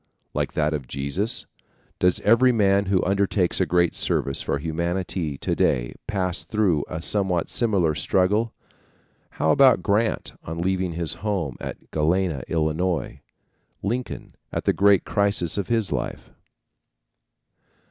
Like that of Jesus? Does every man who undertakes a great service for humanity to day pass through a somewhat similar struggle? How about Grant on leaving his home at Galena, Illinois? Lincoln at the great crisis of his life?